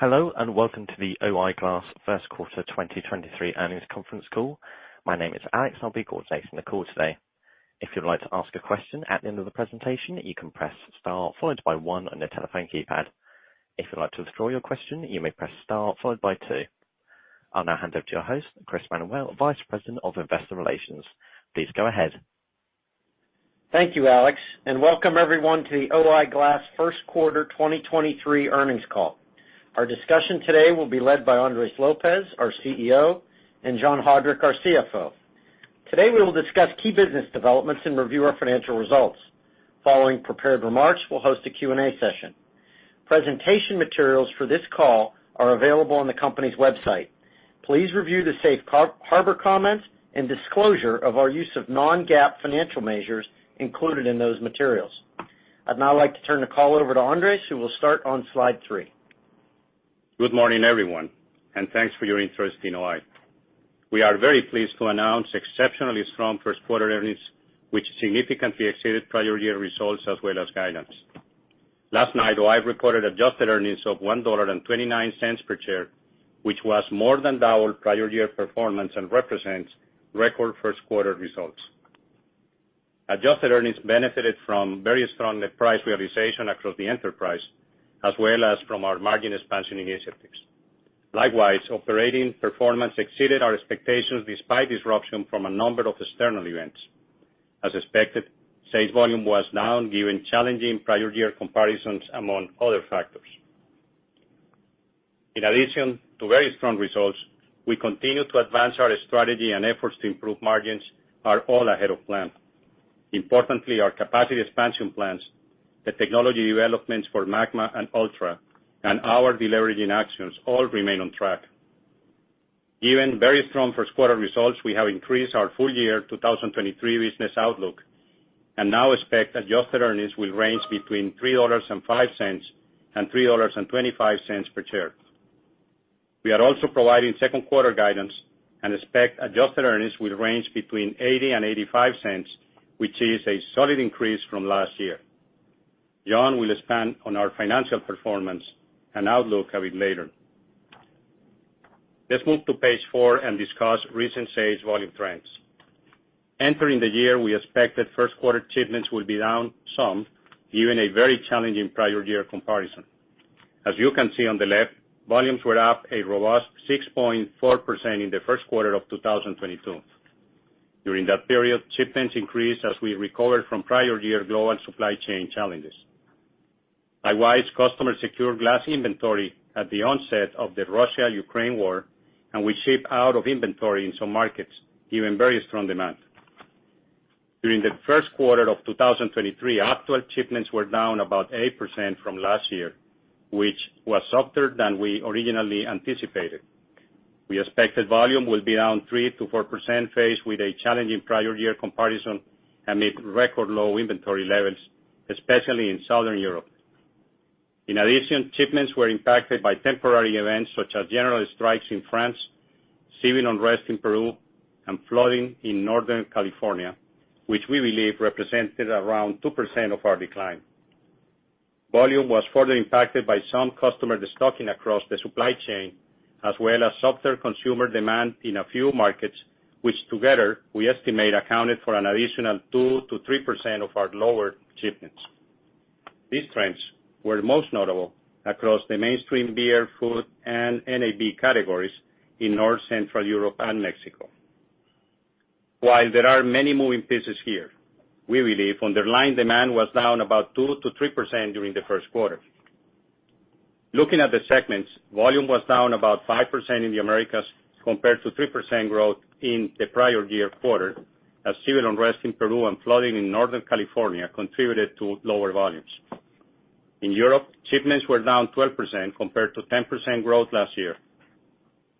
Hello, welcome to the O-I Glass Q1 2023 Earnings Conference Call. My name is Alex, I'll be coordinating the call today. If you'd like to ask a question at the end of the presentation, you can press Star followed by One on your telephone keypad. If you'd like to withdraw your question, you may press Star followed by Two. I'll now hand over to your host, Chris Manuel, Vice President of Investor Relations. Please go ahead. Thank you, Alex, and welcome everyone to the O-I Glass Q1 2023 earnings call. Our discussion today will be led by Andres Lopez, our CEO, and John Haudrich, our CFO. Today, we will discuss key business developments and review our financial results. Following prepared remarks, we'll host a Q&A session. Presentation materials for this call are available on the company's website. Please review the Safe Harbor comments and disclosure of our use of non-GAAP financial measures included in those materials. I'd now like to turn the call over to Andres, who will start on Slide 3. Good morning, everyone, and thanks for your interest in O-I. We are very pleased to announce exceptionally strong Q1 earnings, which significantly exceeded prior year results as well as guidance. Last night, O-I reported adjusted earnings of $1.29 per share, which was more than double prior year performance and represents record Q1 results. Adjusted earnings benefited from very strong net price realization across the enterprise, as well as from our margin expansion initiatives. Likewise, operating performance exceeded our expectations despite disruption from a number of external events. As expected, sales volume was down given challenging prior year comparisons among other factors. In addition to very strong results, we continue to advance our strategy and efforts to improve margins are all ahead of plan. Importantly, our capacity expansion plans, the technology developments for MAGMA and ULTRA, and our deleveraging actions all remain on track. Given very strong Q1 results, we have increased our full year 2023 business outlook, and now expect adjusted earnings will range between $3.05 and $3.25 per share. We are also providing Q2 guidance and expect adjusted earnings will range between $0.80 and $0.85, which is a solid increase from last year. John will expand on our financial performance and outlook a bit later. Let's move to page 4 and discuss recent sales volume trends. Entering the year, we expected Q1 shipments will be down some given a very challenging prior year comparison. As you can see on the left, volumes were up a robust 6.4% in the Q1 of 2022. During that period, shipments increased as we recovered from prior year global supply chain challenges. Likewise, customers secured glass inventory at the onset of the Russia-Ukraine war, and we shipped out of inventory in some markets, given very strong demand. During the Q1 of 2023, actual shipments were down about 8% from last year, which was softer than we originally anticipated. We expected volume will be down 3%-4% faced with a challenging prior year comparison amid record low inventory levels, especially in Southern Europe. In addition, shipments were impacted by temporary events such as general strikes in France, civil unrest in Peru, and flooding in Northern California, which we believe represented around 2% of our decline. Volume was further impacted by some customer destocking across the supply chain, as well as softer consumer demand in a few markets, which together we estimate accounted for an additional 2%-3% of our lower shipments. These trends were most notable across the mainstream beer, food, and NAB categories in North Central Europe and Mexico. While there are many moving pieces here, we believe underlying demand was down about 2%-3% during the Q1. Looking at the segments, volume was down about 5% in the Americas compared to 3% growth in the prior year quarter, as civil unrest in Peru and flooding in Northern California contributed to lower volumes. In Europe, shipments were down 12% compared to 10% growth last year.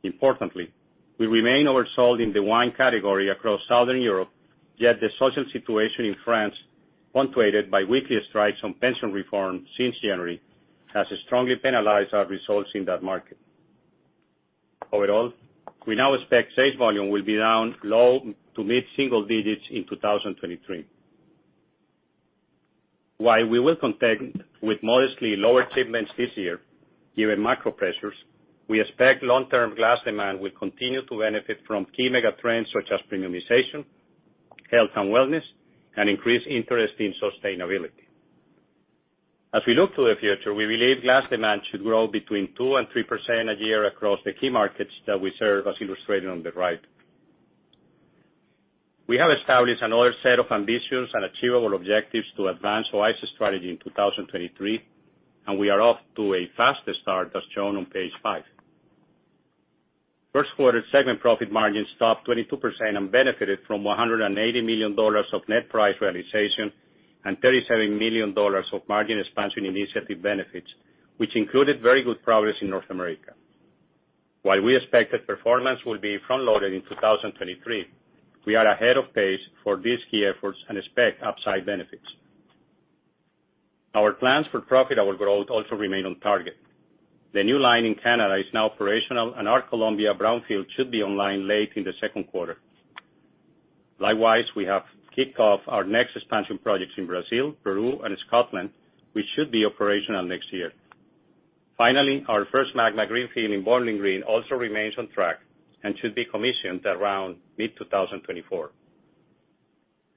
Importantly, we remain oversold in the wine category across Southern Europe, yet the social situation in France, punctuated by weekly strikes on pension reform since January, has strongly penalized our results in that market. Overall, we now expect sales volume will be down low to mid-single digits in 2023. While we will contend with modestly lower shipments this year given macro pressures, we expect long-term glass demand will continue to benefit from key mega trends such as premiumization, health and wellness, and increased interest in sustainability. As we look to the future, we believe glass demand should grow between 2% and 3% a year across the key markets that we serve, as illustrated on the right. We have established another set of ambitious and achievable objectives to advance O-I's strategy in 2023, and we are off to a fast start, as shown on page 5. Q1 segment profit margins topped 22% and benefited from $180 million of net price realization and $37 million of margin expansion initiative benefits, which included very good progress in North America. While we expect that performance will be front-loaded in 2023, we are ahead of pace for these key efforts and expect upside benefits. Our plans for profitable growth also remain on target. The new line in Canada is now operational, and our Colombia brownfield should be online late in the Q2. We have kicked off our next expansion projects in Brazil, Peru, and Scotland, which should be operational next year. Our first MAGMA greenfield in Bowling Green also remains on track and should be commissioned around mid-2024.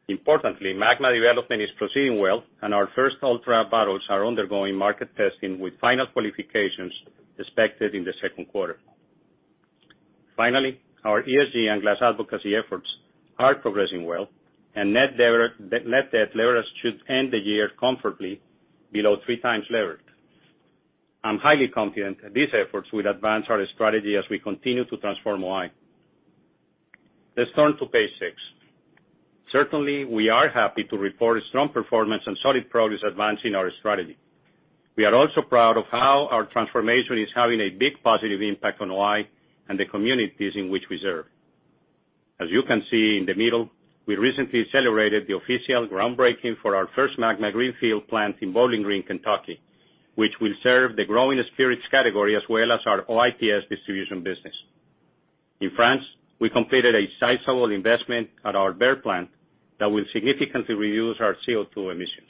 Importantly, MAGMA development is proceeding well, and our first ULTRA bottles are undergoing market testing, with final qualifications expected in the Q2. Our ESG and glass advocacy efforts are progressing well, and net debt leverage should end the year comfortably below 3x levered. I'm highly confident these efforts will advance our strategy as we continue to transform O-I. Let's turn to page 6. Certainly, we are happy to report strong performance and solid progress advancing our strategy. We are also proud of how our transformation is having a big positive impact on O-I and the communities in which we serve. As you can see in the middle, we recently celebrated the official groundbreaking for our first MAGMA greenfield plant in Bowling Green, Kentucky, which will serve the growing spirits category as well as our O-I's distribution business. In France, we completed a sizable investment at our Berre plant that will significantly reduce our CO2 emissions.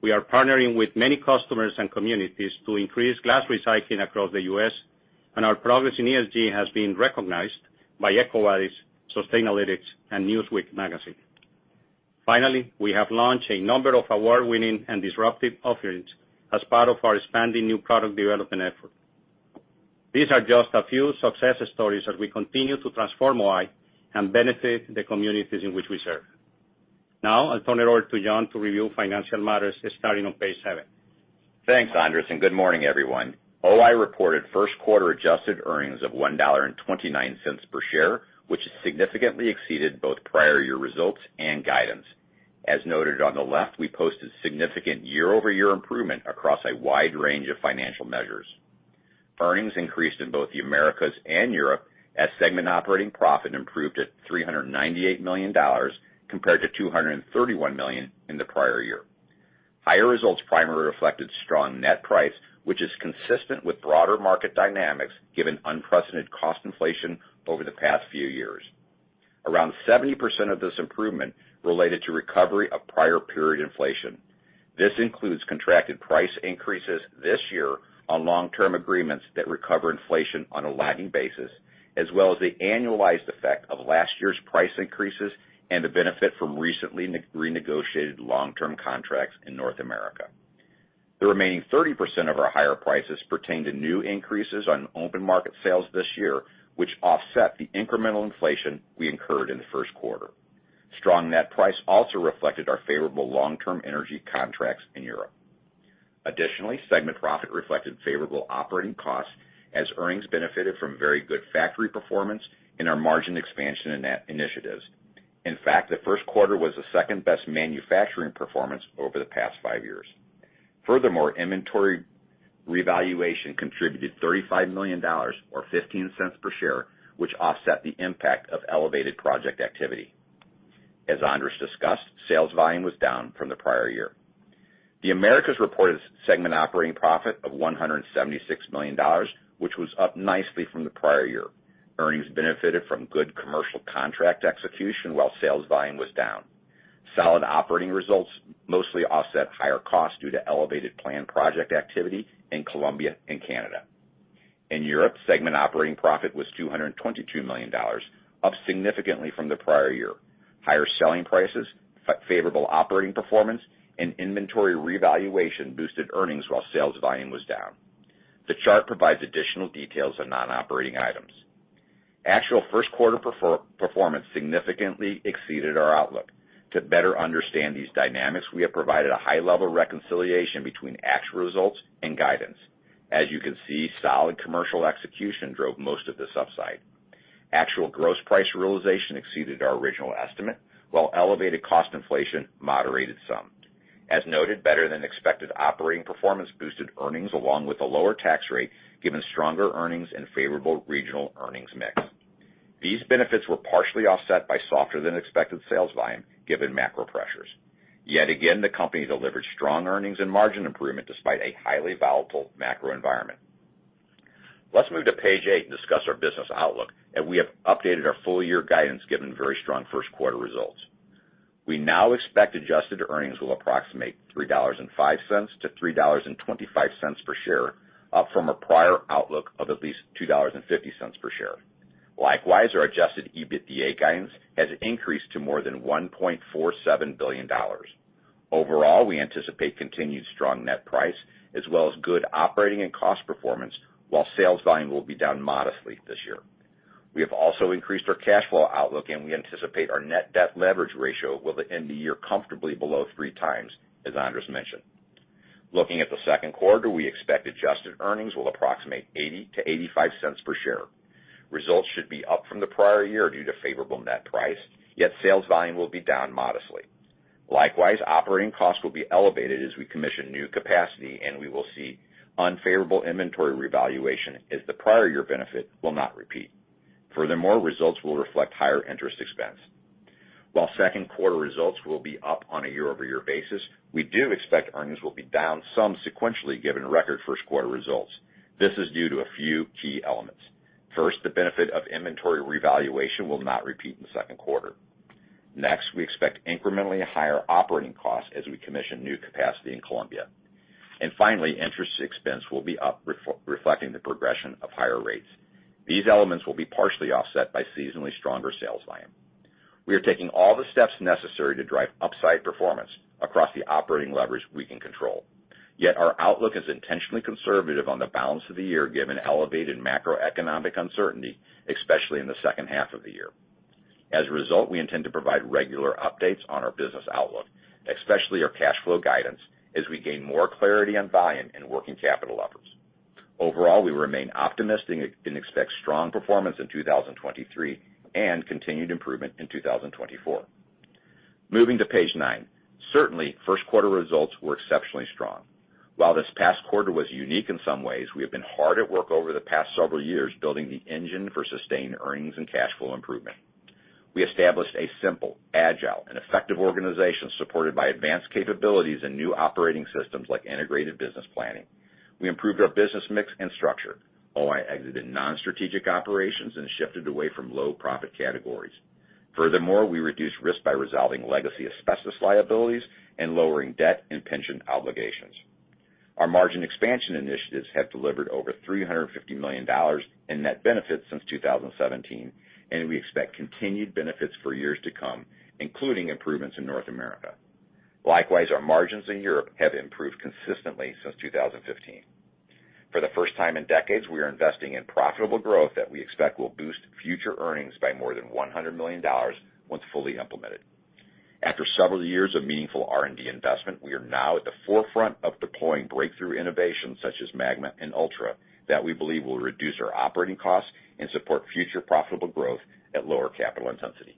We are partnering with many customers and communities to increase glass recycling across the U.S., and our progress in ESG has been recognized by EcoVadis, Sustainalytics, and Newsweek magazine. Finally, we have launched a number of award-winning and disruptive offerings as part of our expanding new product development effort. These are just a few success stories as we continue to transform O-I and benefit the communities in which we serve. Now I'll turn it over to John to review financial matters starting on page 7. Thanks, Andres. Good morning, everyone. O-I reported Q1 adjusted earnings of $1.29 per share, which has significantly exceeded both prior-year results and guidance. As noted on the left, we posted significant year-over-year improvement across a wide range of financial measures. Earnings increased in both the Americas and Europe as segment operating profit improved at $398 million compared to $231 million in the prior-year. Higher results primarily reflected strong net price, which is consistent with broader market dynamics given unprecedented cost inflation over the past few years. Around 70% of this improvement related to recovery of prior period inflation. This includes contracted price increases this year on long-term agreements that recover inflation on a lagging basis, as well as the annualized effect of last year's price increases and the benefit from recently renegotiated long-term contracts in North America. The remaining 30% of our higher prices pertain to new increases on open market sales this year, which offset the incremental inflation we incurred in the Q1. Strong net price also reflected our favorable long-term energy contracts in Europe. Segment profit reflected favorable operating costs as earnings benefited from very good factory performance and our margin expansion initiatives. The Q1 was the second-best manufacturing performance over the past five years. Inventory revaluation contributed $35 million or $0.15 per share, which offset the impact of elevated project activity. As Andres discussed, sales volume was down from the prior year. The Americas reported segment operating profit of $176 million, which was up nicely from the prior year. Earnings benefited from good commercial contract execution while sales volume was down. Solid operating results mostly offset higher costs due to elevated planned project activity in Colombia and Canada. In Europe, segment operating profit was $222 million, up significantly from the prior year. Higher selling prices, favorable operating performance, and inventory revaluation boosted earnings while sales volume was down. The chart provides additional details on non-operating items. Actual Q1 performance significantly exceeded our outlook. To better understand these dynamics, we have provided a high-level reconciliation between actual results and guidance. As you can see, solid commercial execution drove most of this upside. Actual gross price realization exceeded our original estimate, while elevated cost inflation moderated some. As noted, better-than-expected operating performance boosted earnings along with a lower tax rate, given stronger earnings and favorable regional earnings mix. These benefits were partially offset by softer-than-expected sales volume, given macro pressures. Yet again, the company delivered strong earnings and margin improvement despite a highly volatile macro environment. Let's move to page 8 and discuss our business outlook. We have updated our full year guidance, given very strong Q1 results. We now expect adjusted earnings will approximate $3.05-$3.25 per share, up from a prior outlook of at least $2.50 per share. Likewise, our Adjusted EBITDA guidance has increased to more than $1.47 billion. Overall, we anticipate continued strong net price as well as good operating and cost performance, while sales volume will be down modestly this year. We have also increased our cash flow outlook, and we anticipate our net debt leverage ratio will end the year comfortably below 3x, as Andres mentioned. Looking at the Q2, we expect adjusted earnings will approximate $0.80-$0.85 per share. Results should be up from the prior year due to favorable net price, yet sales volume will be down modestly. Likewise, operating costs will be elevated as we commission new capacity, and we will see unfavorable inventory revaluation as the prior year benefit will not repeat. Furthermore, results will reflect higher interest expense. While Q2 results will be up on a year-over-year basis, we do expect earnings will be down some sequentially given record Q1 results. This is due to a few key elements. First, the benefit of inventory revaluation will not repeat in the Q2. Next, we expect incrementally higher operating costs as we commission new capacity in Colombia. Finally, interest expense will be up reflecting the progression of higher rates. These elements will be partially offset by seasonally stronger sales volume. We are taking all the steps necessary to drive upside performance across the operating leverage we can control. Yet our outlook is intentionally conservative on the balance of the year given elevated macroeconomic uncertainty, especially in the second half of the year. As a result, we intend to provide regular updates on our business outlook, especially our cash flow guidance, as we gain more clarity on buying and working capital levers. Overall, we remain optimistic and expect strong performance in 2023 and continued improvement in 2024. Moving to page 9. Certainly, Q1 results were exceptionally strong. While this past quarter was unique in some ways, we have been hard at work over the past several years building the engine for sustained earnings and cash flow improvement. We established a simple, agile, and effective organization supported by advanced capabilities and new operating systems like integrated business planning. We improved our business mix and structure. O-I exited non-strategic operations and shifted away from low profit categories. We reduced risk by resolving legacy asbestos liabilities and lowering debt and pension obligations. Our margin expansion initiatives have delivered over $350 million in net benefits since 2017. We expect continued benefits for years to come, including improvements in North America. Our margins in Europe have improved consistently since 2015. For the first time in decades, we are investing in profitable growth that we expect will boost future earnings by more than $100 million once fully implemented. After several years of meaningful R&D investment, we are now at the forefront of deploying breakthrough innovations such as MAGMA and ULTRA that we believe will reduce our operating costs and support future profitable growth at lower capital intensity.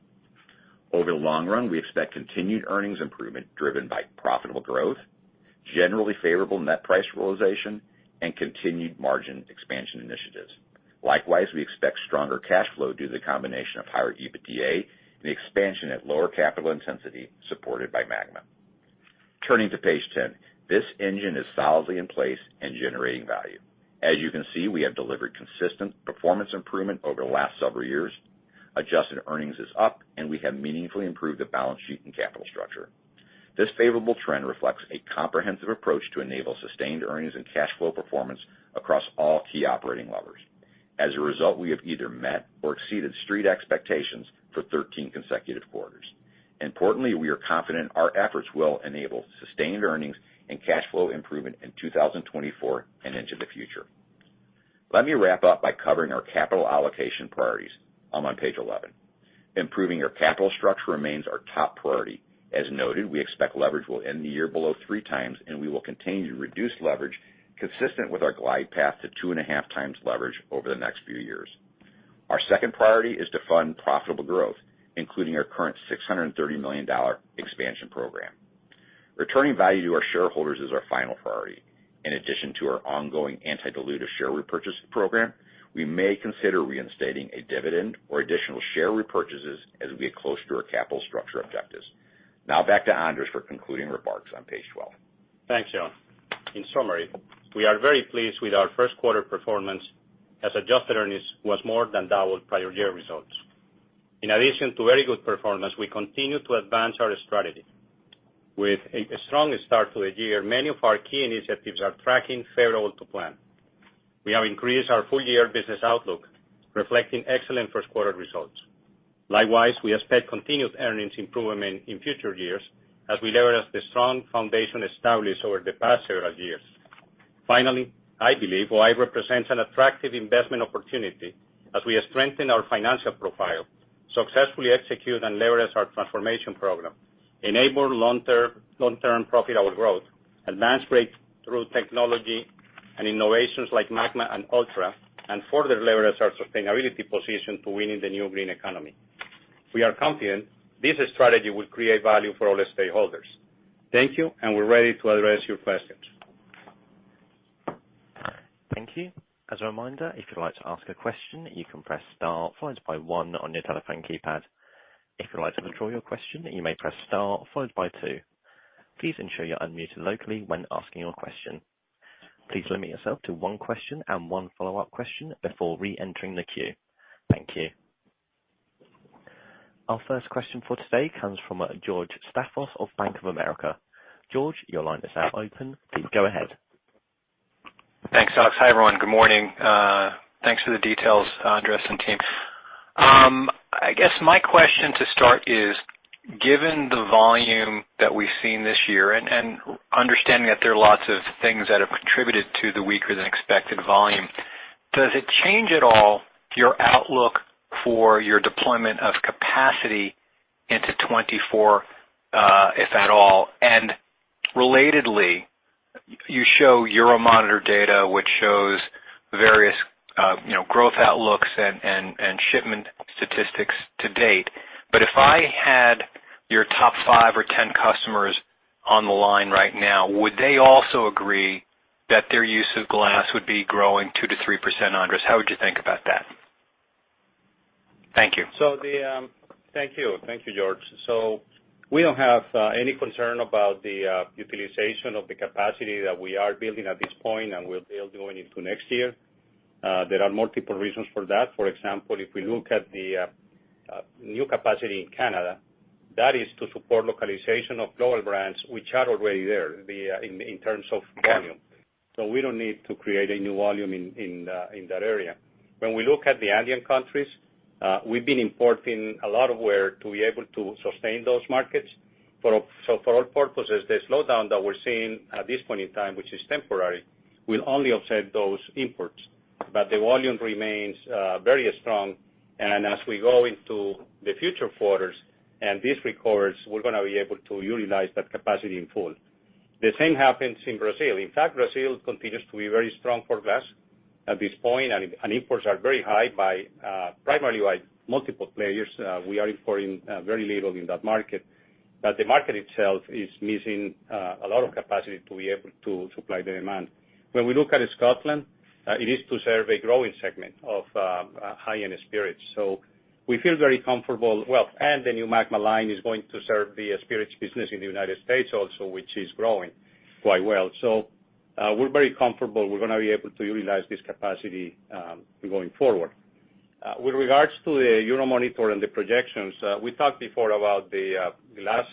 Over the long run, we expect continued earnings improvement driven by profitable growth, generally favorable net price realization, and continued margin expansion initiatives. Likewise, we expect stronger cash flow due to the combination of higher EBITDA and expansion at lower capital intensity supported by MAGMA. Turning to page 10. This engine is solidly in place and generating value. As you can see, we have delivered consistent performance improvement over the last several years. Adjusted earnings is up, we have meaningfully improved the balance sheet and capital structure. This favorable trend reflects a comprehensive approach to enable sustained earnings and cash flow performance across all key operating levers. As a result, we have either met or exceeded street expectations for 13 consecutive quarters. Importantly, we are confident our efforts will enable sustained earnings and cash flow improvement in 2024 and into the future. Let me wrap up by covering our capital allocation priorities. I'm on page 11. Improving our capital structure remains our top priority. As noted, we expect leverage will end the year below 3x, and we will continue to reduce leverage consistent with our glide path to 2.5x leverage over the next few years. Our second priority is to fund profitable growth, including our current $630 million expansion program. Returning value to our shareholders is our final priority. In addition to our ongoing anti-dilutive share repurchase program, we may consider reinstating a dividend or additional share repurchases as we get closer to our capital structure objectives. Back to Andres for concluding remarks on page 12. Thanks, John. In summary, we are very pleased with our Q1 performance as adjusted earnings was more than double prior year results. In addition to very good performance, we continue to advance our strategy. With a strong start to the year, many of our key initiatives are tracking favorable to plan. We have increased our full-year business outlook, reflecting excellent Q1 results. Likewise, we expect continued earnings improvement in future years as we leverage the strong foundation established over the past several years. Finally, I believe O-I represents an attractive investment opportunity as we strengthen our financial profile, successfully execute and leverage our transformation program, enable long-term profitable growth, advance breakthrough technology and innovations like MAGMA and ULTRA, and further leverage our sustainability position to winning the new green economy. We are confident this strategy will create value for all stakeholders. Thank you, and we're ready to address your questions. Thank you. As a reminder, if you'd like to ask a question, you can press star followed by one on your telephone keypad. If you'd like to withdraw your question, you may press star followed by two. Please ensure you're unmuted locally when asking your question. Please limit yourself to one question and one follow-up question before reentering the queue. Thank you. Our first question for today comes from George Staphos of Bank of America. George, your line is now open. Please go ahead. Thanks, Alex. Hi, everyone. Good morning. Thanks for the details, Andres and team. I guess my question to start is, given the volume that we've seen this year and understanding that there are lots of things that have contributed to the weaker than expected volume, does it change at all your outlook for your deployment of capacity into 2024, if at all? Relatedly, you show Euromonitor data, which shows various, you know, growth outlooks and shipment statistics to date. If I had your top five or 10 customers on the line right now, would they also agree that their use of glass would be growing 2%-3%, Andres. How would you think about that? Thank you. Thank you. Thank you, George. We don't have any concern about the utilization of the capacity that we are building at this point, and we'll still going into next year. There are multiple reasons for that. For example, if we look at the new capacity in Canada, that is to support localization of global brands which are already there, in terms of volume. We don't need to create a new volume in that area. When we look at the Andean countries, we've been importing a lot of ware to be able to sustain those markets. For all purposes, the slowdown that we're seeing at this point in time, which is temporary, will only offset those imports. The volume remains very strong. As we go into the future quarters and these recovers, we're gonna be able to utilize that capacity in full. The same happens in Brazil. In fact, Brazil continues to be very strong for glass at this point, and imports are very high by primarily by multiple players. We are importing very little in that market. The market itself is missing a lot of capacity to be able to supply the demand. When we look at Scotland, it is to serve a growing segment of high-end spirits. We feel very comfortable. The new MAGMA line is going to serve the spirits business in the United States also, which is growing quite well. We're very comfortable we're gonna be able to utilize this capacity going forward. With regards to the Euromonitor and the projections, we talked before about the glass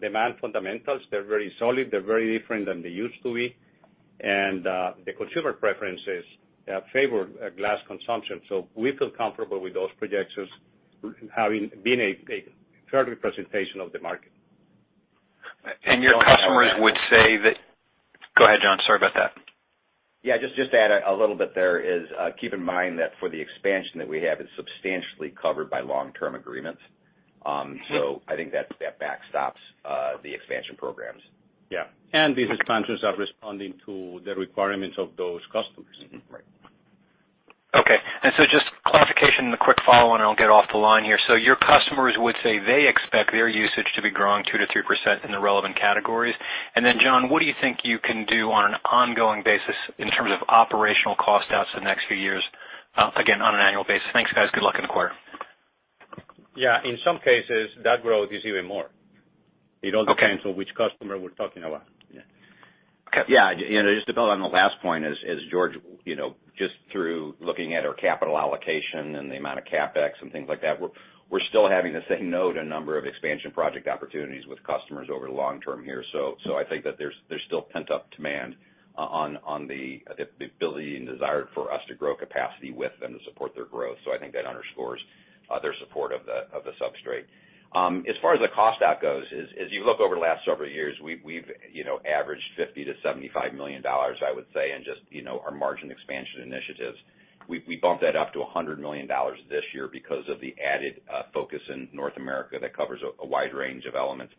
demand fundamentals. They're very solid. They're very different than they used to be. The consumer preferences favor glass consumption. We feel comfortable with those projections having been a fair representation of the market. Your customers would say that. Go ahead, John. Sorry about that. Just to add a little bit there is, keep in mind that for the expansion that we have is substantially covered by long-term agreements. I think that backstops the expansion programs. Yeah. These expansions are responding to the requirements of those customers. Right. Okay. Just clarification and a quick follow-on, and I'll get off the line here. Your customers would say they expect their usage to be growing 2%-3% in the relevant categories. John, what do you think you can do on an ongoing basis in terms of operational cost outs the next few years, again, on an annual basis? Thanks, guys. Good luck in the quarter. In some cases, that growth is even more. It all depends on which customer we're talking about. Yeah. Okay. Just to build on the last point, as George, you know, just through looking at our capital allocation and the amount of CapEx and things like that, we're still having to say no to a number of expansion project opportunities with customers over the long term here. I think that there's still pent-up demand on the ability and desire for us to grow capacity with them to support their growth. I think that underscores their support of the substrate. As far as the cost out goes is, as you look over the last several years, we've, you know, averaged $50 million-$75 million, I would say, in just, you know, our margin expansion initiatives. We bumped that up to $100 million this year because of the added focus in North America that covers a wide range of elements.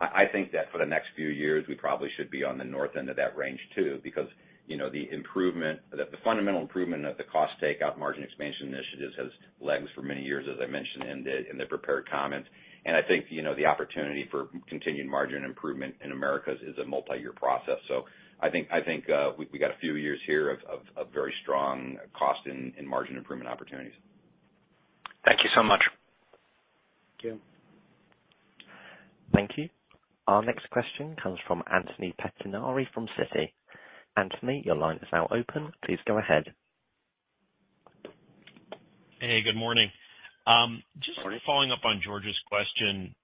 I think that for the next few years, we probably should be on the north end of that range too, because, you know, the improvement, the fundamental improvement of the cost takeout margin expansion initiatives has legs for many years, as I mentioned in the prepared comments. I think, you know, the opportunity for continued margin improvement in Americas is a multiyear process. I think we got a few years here of very strong cost and margin improvement opportunities. Thank you so much. Thank you. Thank you. Our next question comes from Anthony Pettinari from Citi. Anthony, your line is now open. Please go ahead. Hey, good morning. Just sort of following up on George's question.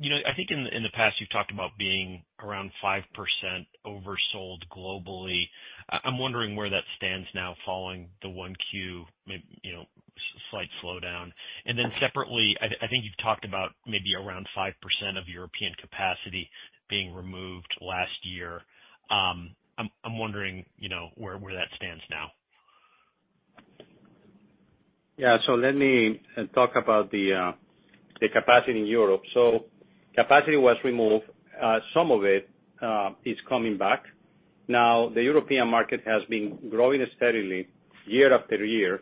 You know, I think in the past, you've talked about being around 5% oversold globally. I'm wondering where that stands now following the 1Q, you know, slight slowdown. Separately, I think you've talked about maybe around 5% of European capacity being removed last year. I'm wondering, you know, where that stands now. Yeah. Let me talk about the capacity in Europe. Capacity was removed. Some of it is coming back. The European market has been growing steadily year after year,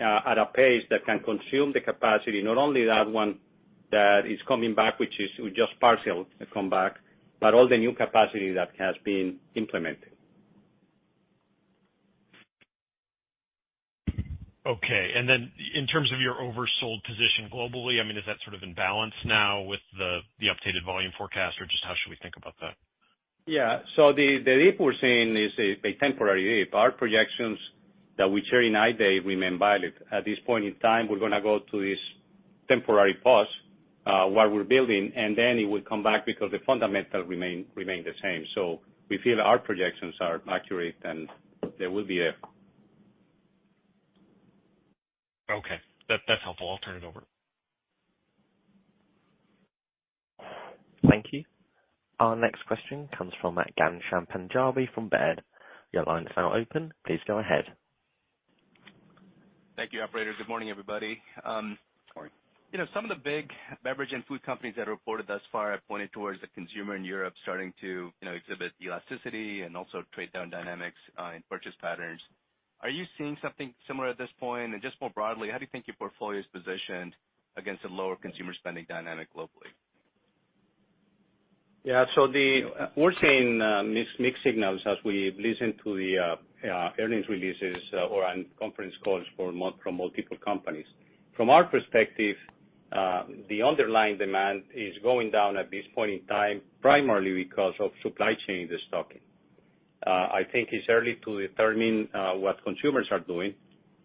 at a pace that can consume the capacity, not only that one that is coming back, which is just partial comeback, but all the new capacity that has been implemented. Okay. Then in terms of your oversold position globally, I mean, is that sort of in balance now with the updated volume forecast, or just how should we think about that? Yeah. The dip we're seeing is a temporary dip. Our projections that we share in I-Day remain valid. At this point in time, we're gonna go through this temporary pause while we're building, and then it will come back because the fundamentals remain the same. We feel our projections are accurate, and there will be a. Okay. That's helpful. I'll turn it over. Thank you. Our next question comes from Ghansham Panjabi from Baird. Your line is now open. Please go ahead. Thank you, operator. Good morning, everybody. Morning. You know, some of the big beverage and food companies that reported thus far have pointed towards the consumer in Europe starting to, you know, exhibit elasticity and also trade down dynamics in purchase patterns. Are you seeing something similar at this point? Just more broadly, how do you think your portfolio is positioned against a lower consumer spending dynamic globally? Yeah. The, we're seeing mixed signals as we listen to the earnings releases or on conference calls from multiple companies. From our perspective, the underlying demand is going down at this point in time primarily because of supply chain de-stocking. I think it's early to determine what consumers are doing.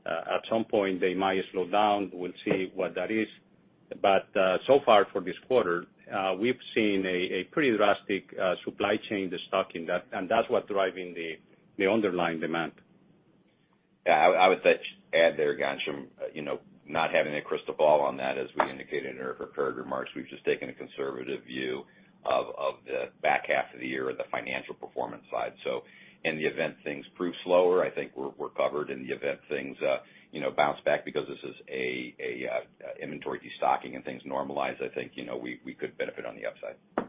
At some point they might slow down. We'll see what that is. So far for this quarter, we've seen a pretty drastic supply chain de-stocking. That's what driving the underlying demand. Yeah. I would just add there, Ghansham, you know, not having a crystal ball on that, as we indicated in our prepared remarks, we've just taken a conservative view of the back half of the year on the financial performance side. In the event things prove slower, I think we're covered. In the event things, you know, bounce back because this is a inventory de-stocking and things normalize, I think, you know, we could benefit on the upside.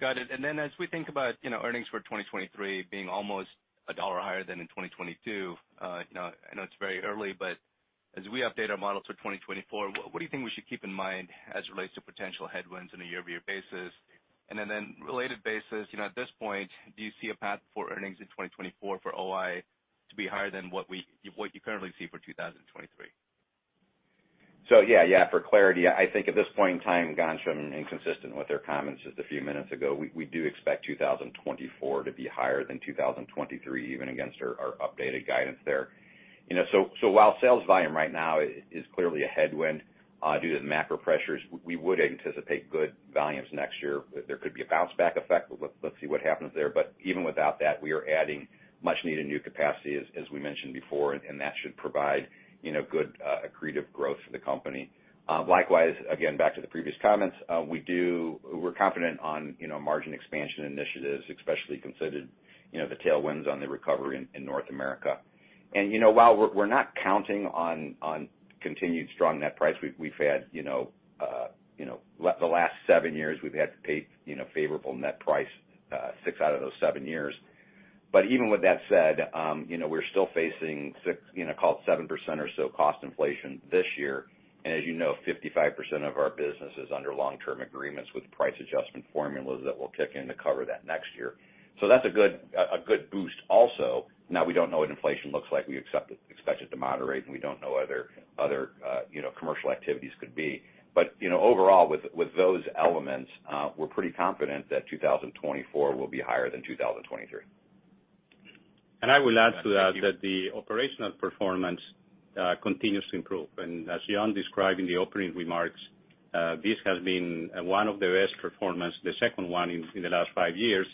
Got it. As we think about, you know, earnings for 2023 being almost $1 higher than in 2022, I know it's very early, but as we update our models for 2024, what do you think we should keep in mind as it relates to potential headwinds on a year-over-year basis? Then related basis, you know, at this point, do you see a path for earnings in 2024 for O-I to be higher than what you currently see for 2023? Yeah. Yeah, for clarity, I think at this point in time, Ghansham, and consistent with your comments just a few minutes ago, we do expect 2024 to be higher than 2023, even against our updated guidance there. You know, while sales volume right now is clearly a headwind, due to the macro pressures, we would anticipate good volumes next year. There could be a bounce back effect, but let's see what happens there. Even without that, we are adding much needed new capacity, as we mentioned before, and that should provide, you know, good, accretive growth for the company. Likewise, again, back to the previous comments, we're confident on, you know, margin expansion initiatives, especially considered, you know, the tailwinds on the recovery in North America. You know, while we're not counting on continued strong net price, we've had, you know, the last seven years, we've had to pay, you know, favorable net price, six out of those seven years. Even with that said, you know, we're still facing 6%, you know, call it 7% or so cost inflation this year. As you know, 55% of our business is under long-term agreements with price adjustment formulas that will kick in to cover that next year. That's a good, a good boost also. Now, we don't know what inflation looks like. We expect it to moderate, and we don't know whether other, you know, commercial activities could be. You know, overall with those elements, we're pretty confident that 2024 will be higher than 2023. I will add to that the operational performance continues to improve. As John described in the opening remarks, this has been one of the best performance, the second one in the last five years.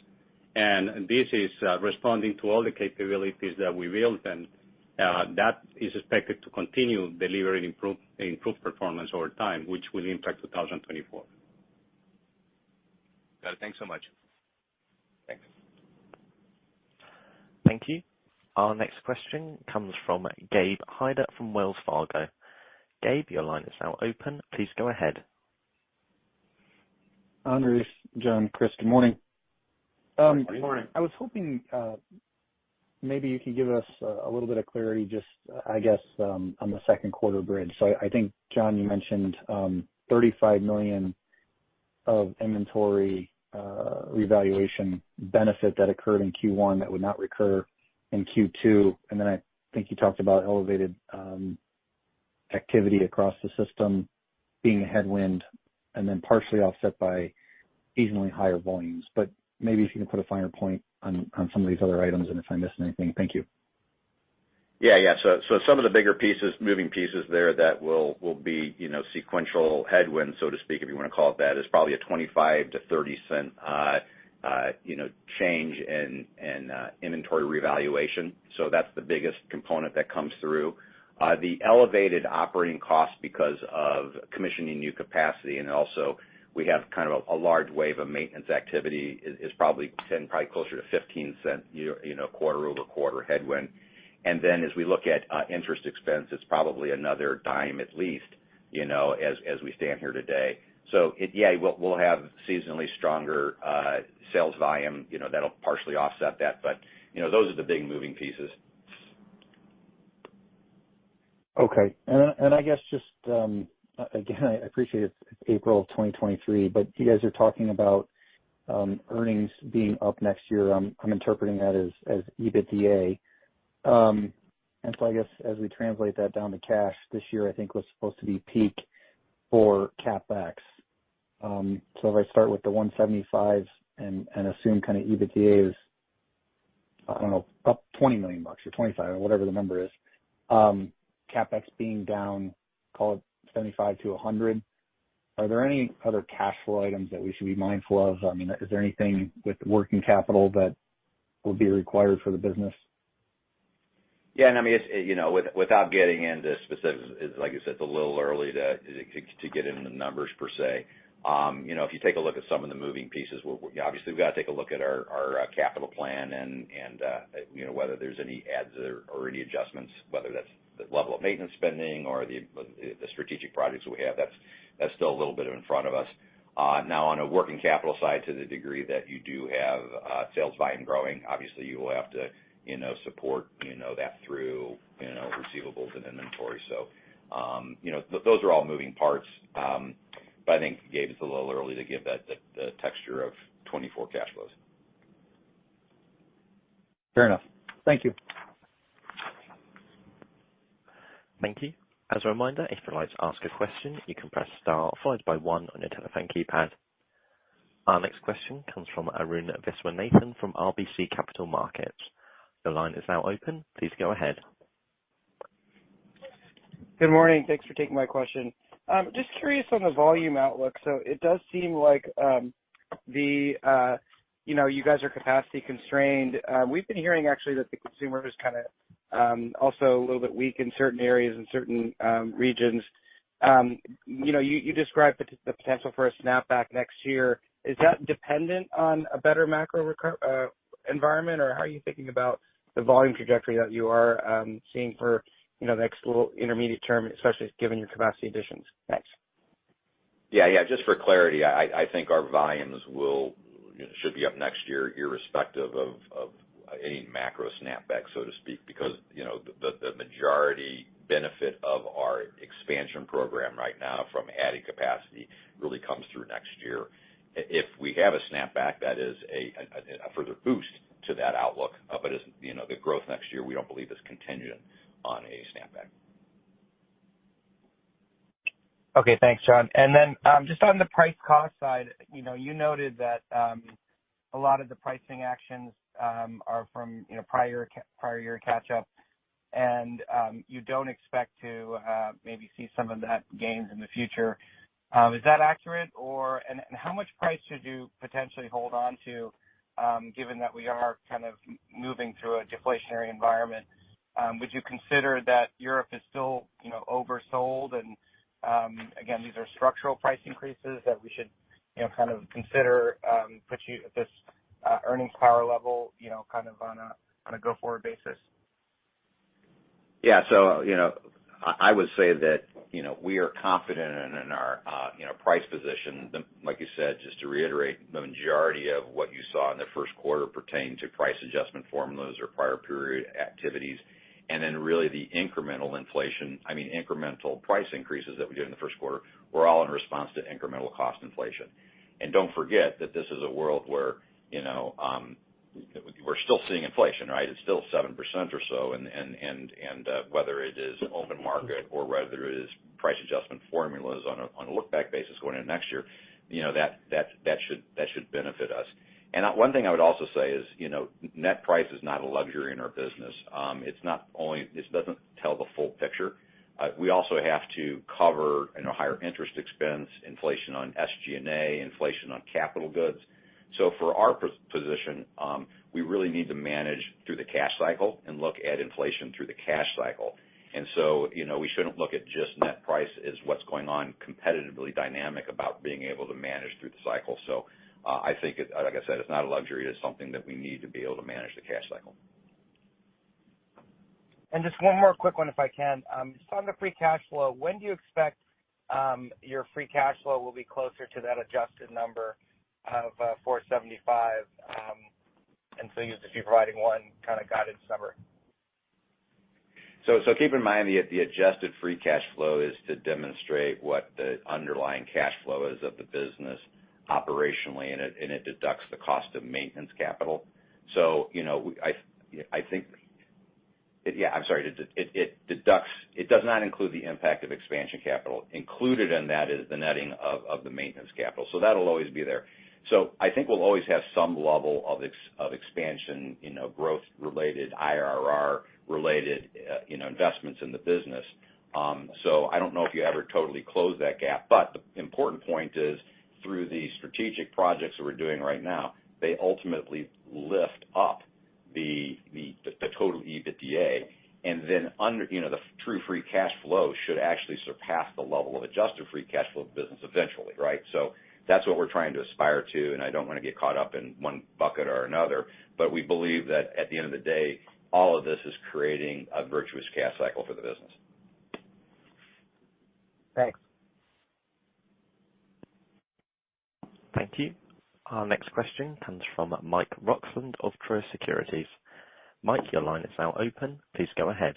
This is responding to all the capabilities that we built, and that is expected to continue delivering improved performance over time, which will impact 2024. Got it. Thanks so much. Thanks. Thank you. Our next question comes from Gabe Hajde from Wells Fargo. Gabe, your line is now open. Please go ahead. Andres, John, Chris, good morning. Good morning. I was hoping, maybe you could give us a little bit of clarity on the Q2 bridge. I think, John, you mentioned $35 million of inventory revaluation benefit that occurred in Q1 that would not recur in Q2. I think you talked about elevated activity across the system being a headwind and then partially offset by seasonally higher volumes. Maybe if you can put a finer point on some of these other items and if I missed anything. Thank you. Yeah. Yeah. Some of the bigger pieces, moving pieces there that will be, you know, sequential headwinds, so to speak, if you wanna call it that, is probably a $0.25-$0.30, you know, change in inventory revaluation. That's the biggest component that comes through. The elevated operating cost because of commissioning new capacity and also we have kind of a large wave of maintenance activity is probably $0.10, probably closer to $0.15 year, you know, quarter-over-quarter headwind. Then as we look at interest expense, it's probably another $0.10 at least, you know, as we stand here today. Yeah, we'll have seasonally stronger sales volume, you know, that'll partially offset that. You know, those are the big moving pieces. Okay. I guess just, again, I appreciate it's April of 2023, but you guys are talking about earnings being up next year. I'm interpreting that as EBITDA. I guess as we translate that down to cash this year, I think was supposed to be peak for CapEx. If I start with the $175 million and assume kind of EBITDA is, I don't know, up $20 million or $25 million or whatever the number is, CapEx being down, call it $75 million-$100 million, are there any other cash flow items that we should be mindful of? I mean, is there anything with working capital that will be required for the business? Yeah. I mean, it's. You know, without getting into specifics, it's like you said, it's a little early to get into the numbers per se. You know, if you take a look at some of the moving pieces, obviously we've got to take a look at our capital plan and, you know, whether there's any adds or any adjustments, whether that's the level of maintenance spending or the strategic projects we have. That's still a little bit in front of us. Now on a working capital side, to the degree that you do have sales volume growing, obviously you will have to, you know, support, you know, that through, you know, receivables and inventory. You know, those are all moving parts. I think, Gabe, it's a little early to give that, the texture of 2024 cash flows. Fair enough. Thank you. Thank you. As a reminder, if you'd like to ask a question, you can press star followed by one on your telephone keypad. Our next question comes from Arun Viswanathan from RBC Capital Markets. Your line is now open. Please go ahead. Good morning. Thanks for taking my question. Just curious on the volume outlook. It does seem like, you know, you guys are capacity constrained. We've been hearing actually that the consumer is kinda, also a little bit weak in certain areas and certain regions. You know, you described the potential for a snapback next year. Is that dependent on a better macro environment, or how are you thinking about the volume trajectory that you are seeing for, you know, the next little intermediate term, especially given your capacity additions? Thanks. Yeah. Yeah. Just for clarity, I think our volumes will, you know, should be up next year irrespective of any macro snapback, so to speak, because, you know, the majority benefit of our expansion program right now from adding capacity really comes through next year. If we have a snapback, that is a further boost to that outlook. As you know, the growth next year, we don't believe is contingent on a snapback. Okay. Thanks, John. Then, just on the price cost side, you know, you noted that a lot of the pricing actions are from, you know, prior year catch-up, and you don't expect to maybe see some of that gains in the future. Is that accurate or how much price should you potentially hold on to, given that we are moving through a deflationary environment, would you consider that Europe is still, you know, oversold? Again, these are structural price increases that we should, you know, kind of consider, put you at this earnings power level, you know, on a go-forward basis? Yeah. you know, I would say that, you know, we are confident in our, you know, price position. Like you said, just to reiterate, the majority of what you saw in the Q1 pertained to price adjustment formulas or prior period activities. really the incremental inflation, I mean, incremental price increases that we did in the Q1 were all in response to incremental cost inflation. don't forget that this is a world where, you know, we're still seeing inflation, right? It's still 7% or so. And whether it is open market or whether it is price adjustment formulas on a, on a look back basis going into next year, you know, that should benefit us. One thing I would also say is, you know, net price is not a luxury in our business. This doesn't tell the full picture. We also have to cover, you know, higher interest expense, inflation on SG&A, inflation on capital goods. For our position, we really need to manage through the cash cycle and look at inflation through the cash cycle. You know, we shouldn't look at just net price as what's going on competitively dynamic about being able to manage through the cycle. I think it's, like I said, it's not a luxury, it's something that we need to be able to manage the cash cycle. Just one more quick one, if I can. Just on the free cash flow, when do you expect your free cash flow will be closer to that adjusted number of $475, just be providing one kind of guided number? Keep in mind, the adjusted free cash flow is to demonstrate what the underlying cash flow is of the business operationally, and it, and it deducts the cost of maintenance capital. You know, Yeah, I'm sorry. It does not include the impact of expansion capital. Included in that is the netting of the maintenance capital. That'll always be there. I think we'll always have some level of expansion, you know, growth related, IRR related, you know, investments in the business. I don't know if you ever totally close that gap, but the important point is through the strategic projects that we're doing right now, they ultimately lift up the, the total EBITDA. Under, you know, the true free cash flow should actually surpass the level of adjusted free cash flow business eventually, right? That's what we're trying to aspire to, and I don't wanna get caught up in one bucket or another, but we believe that at the end of the day, all of this is creating a virtuous cash cycle for the business. Thanks. Thank you. Our next question comes from Mike Roxland of Truist Securities. Mike, your line is now open. Please go ahead.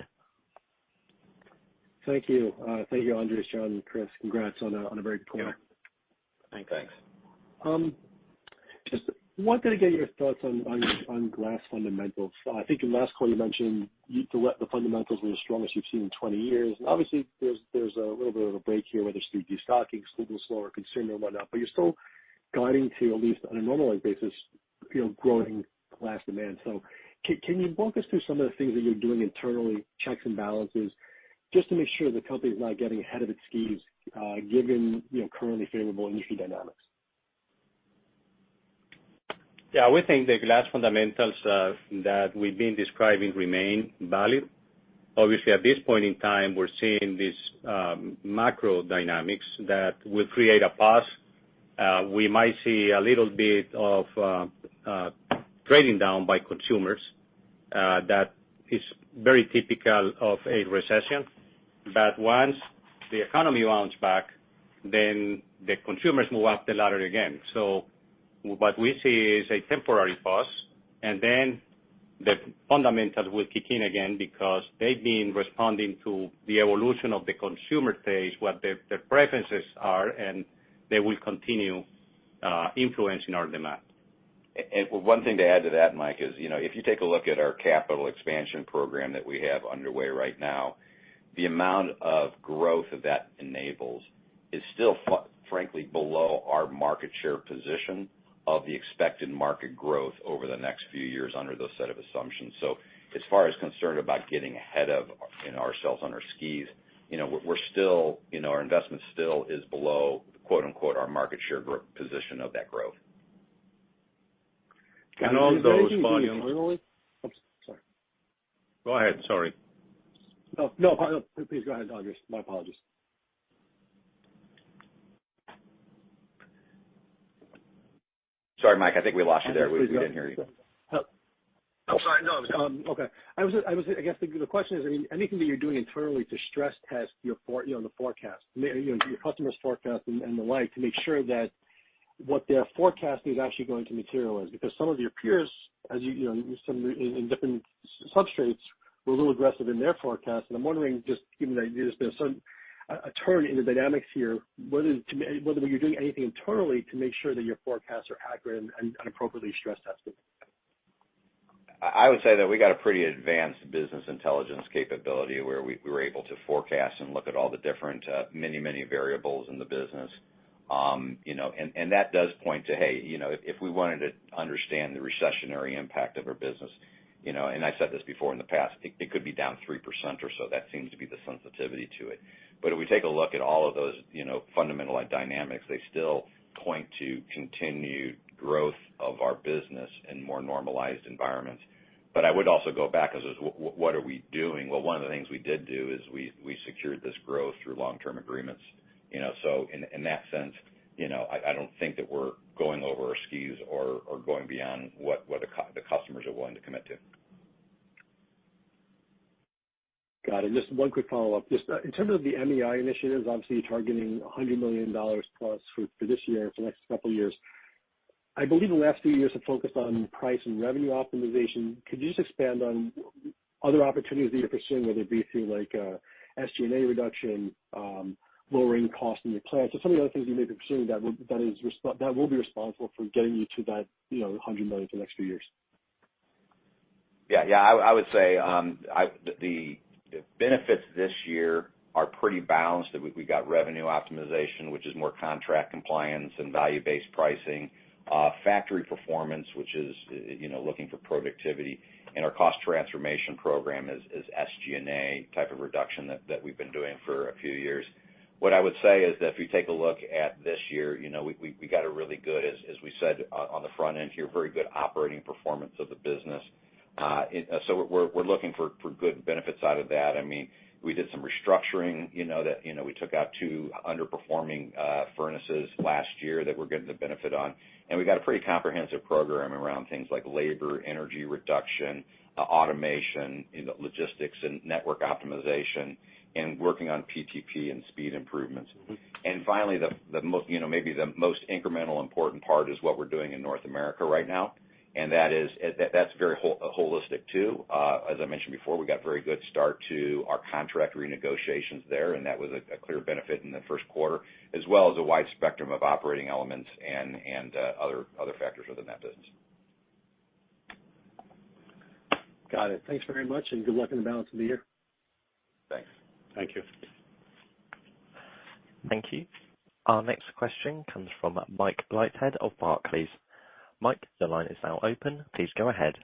Thank you. Thank you, Andres, John, and Chris. Congrats on a very good quarter. Yeah. Thanks. Just wanted to get your thoughts on glass fundamentals. I think in the last call you mentioned the fundamentals were the strongest you've seen in 20 years. Obviously, there's a little bit of a break here, whether it's due to stocking, slower consumer, whatnot. You're still guiding to at least on a normalized basis, you know, growing glass demand. Can you walk us through some of the things that you're doing internally, checks and balances, just to make sure the company is not getting ahead of its skis, given, you know, currently favorable industry dynamics? We think the glass fundamentals, that we've been describing remain valid. Obviously, at this point in time, we're seeing these macro dynamics that will create a pause. We might see a little bit of trading down by consumers, that is very typical of a recession. Once the economy rounds back, then the consumers move up the ladder again. What we see is a temporary pause, and then the fundamentals will kick in again because they've been responding to the evolution of the consumer phase, what their preferences are, and they will continue influencing our demand. One thing to add to that, Mike, is, you know, if you take a look at our capital expansion program that we have underway right now, the amount of growth that that enables is still frankly below our market share position of the expected market growth over the next few years under those set of assumptions. As far as concerned about getting ahead of, you know, ourselves on our skis, you know, we're still, you know, our investment still is below, quote-unquote, our market share position of that growth. Also volumes. Anything you're doing internally, oops, sorry. Go ahead. Sorry. No, no. Please go ahead, Andres. My apologies. Sorry, Mike. I think we lost you there. We didn't hear you. I'm sorry. No. Okay. I guess the question is, I mean, anything that you're doing internally to stress test your you know, the forecast, you know, your customers' forecast and the like, to make sure that what they're forecasting is actually going to materialize? Some of your peers, as you know, some in different substrates were a little aggressive in their forecast. I'm wondering, just given that there's been some turn in the dynamics here, whether you're doing anything internally to make sure that your forecasts are accurate and appropriately stress tested? I would say that we got a pretty advanced business intelligence capability where we're able to forecast and look at all the different, many, many variables in the business. You know, and that does point to, hey, you know, if we wanted to understand the recessionary impact of our business, you know, and I've said this before in the past, it could be down 3% or so. That seems to be the sensitivity to it. If we take a look at all of those, you know, fundamental-like dynamics, they still point to continued growth of our business in more normalized environments. I would also go back as is what are we doing? One of the things we did do is we secured this growth through long-term agreements, you know? In that sense, you know, I don't think that we're going over our skis or going beyond what the customers are willing to commit to. Got it. Just one quick follow-up. Just in terms of the MEI initiatives, obviously, you're targeting $100 million plus for this year and for the next couple years. I believe the last few years have focused on price and revenue optimization. Could you just expand on other opportunities that you're pursuing, whether it be through like SG&A reduction, lowering cost in your plants, or some of the other things you may be pursuing that will be responsible for getting you to that, you know, $100 million for the next few years? Yeah. Yeah. I would say, the benefits this year are pretty balanced. We got revenue optimization, which is more contract compliance and value-based pricing. Factory performance, which is, you know, looking for productivity, and our cost transformation program is SG&A type of reduction that we've been doing for a few years. What I would say is that if you take a look at this year, you know, we got a really good, as we said on the front end here, very good operating performance of the business. We're looking for good benefits out of that. I mean, we did some restructuring, you know, that, you know, we took out two underperforming furnaces last year that we're getting the benefit on. We got a pretty comprehensive program around things like labor, energy reduction, automation in the logistics and network optimization, and working on PTP and speed improvements. Finally, the most, you know, maybe the most incremental important part is what we're doing in North America right now, and that is. That's very holistic too. As I mentioned before, we got a very good start to our contract renegotiations there, and that was a clear benefit in the Q1, as well as a wide spectrum of operating elements and other factors within that business. Got it. Thanks very much, and good luck in the balance of the year. Thanks. Thank you. Thank you. Our next question comes from Mike Leithead of Barclays. Mike, the line is now open. Please go ahead.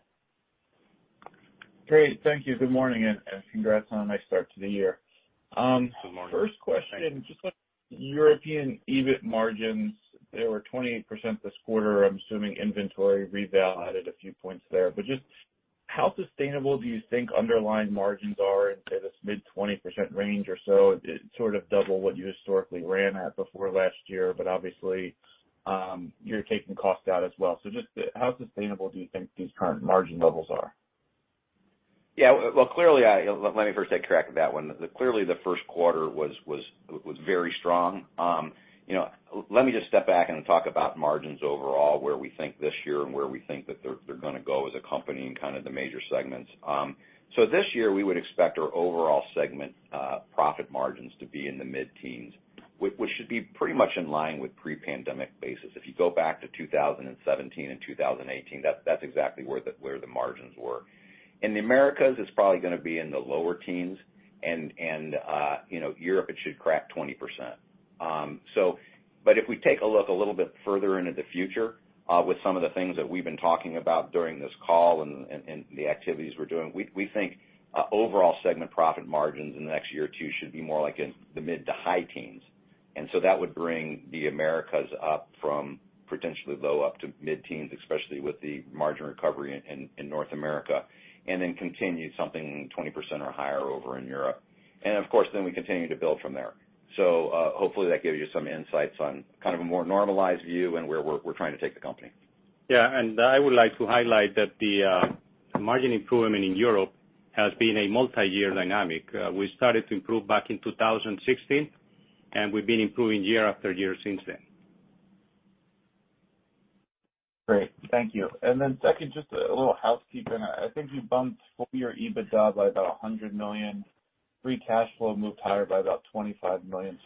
Great. Thank you. Good morning, and congrats on a nice start to the year. Good morning. Thank you. First question, just on European EBIT margins. They were 28% this quarter. I'm assuming inventory reval added a few points there. Just how sustainable do you think underlying margins are in, say, this mid-20% range or so? It sort of double what you historically ran at before last year, but obviously, you're taking cost out as well. Just how sustainable do you think these current margin levels are? Yeah. Well, clearly, let me first take crack at that one. Clearly, the Q1 was very strong. You know, let me just step back and talk about margins overall, where we think this year and where we think that they're gonna go as a company in kind of the major segments. This year, we would expect our overall segment profit margins to be in the mid-teens, which should be pretty much in line with pre-pandemic basis. If you go back to 2017 and 2018, that's exactly where the margins were. In the Americas, it's probably gonna be in the lower teens, you know, Europe, it should crack 20%. If we take a look a little bit further into the future, with some of the things that we've been talking about during this call and the activities we're doing, we think overall segment profit margins in the next year or two should be more like in the mid-to-high teens. That would bring the Americas up from potentially low-to-mid teens, especially with the margin recovery in North America, and then continue something 20% or higher over in Europe. We continue to build from there. Hopefully that gives you some insights on kind of a more normalized view and where we're trying to take the company. Yeah. I would like to highlight that the margin improvement in Europe has been a multi-year dynamic. We started to improve back in 2016, and we've been improving year after year since then. Great. Thank you. Then second, just a little housekeeping. I think you bumped full year EBITDA by about $100 million. Free cash flow moved higher by about $25 million.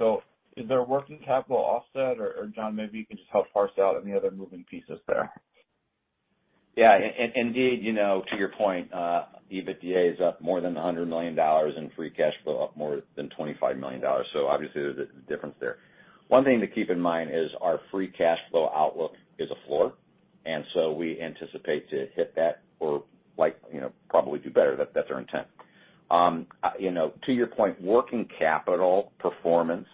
Is there a working capital offset or John, maybe you can just help parse out any other moving pieces there? Yeah. Indeed, you know, to your point, EBITDA is up more than $100 million and free cash flow up more than $25 million. Obviously there's a difference there. One thing to keep in mind is our free cash flow outlook is a floor. We anticipate to hit that or like, you know, probably do better. That's our intent. You know, to your point, working capital performance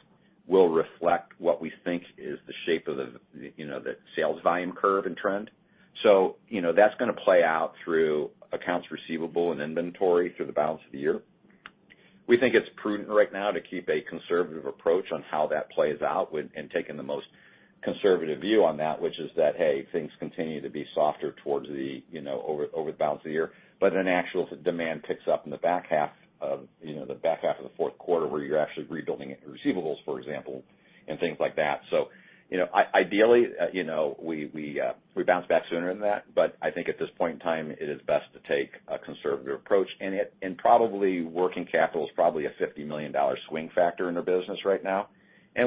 will reflect what we think is the shape of the, you know, the sales volume curve and trend. You know, that's gonna play out through accounts receivable and inventory through the balance of the year. We think it's prudent right now to keep a conservative approach on how that plays out and taking the most conservative view on that, which is that, hey, things continue to be softer towards the, you know, over the balance of the year, but then actual demand picks up in the back half of, you know, the back half of the Q4 where you're actually rebuilding receivables, for example, and things like that. You know, ideally, you know, we bounce back sooner than that. I think at this point in time, it is best to take a conservative approach. Probably working capital is probably a $50 million swing factor in our business right now. As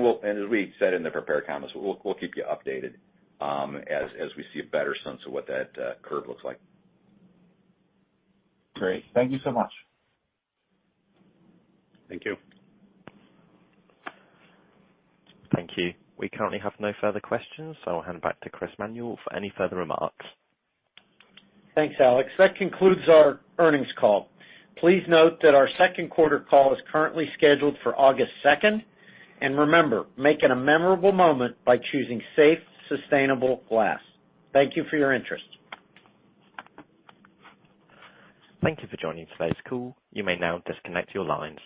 we said in the prepared comments, we'll keep you updated, as we see a better sense of what that curve looks like. Great. Thank you so much. Thank you. Thank you. We currently have no further questions. I'll hand back to Chris Manuel for any further remarks. Thanks, Alex. That concludes our earnings call. Please note that our Q2 call is currently scheduled for August second. Remember, make it a memorable moment by choosing safe, sustainable glass. Thank you for your interest. Thank you for joining today's call. You may now disconnect your lines.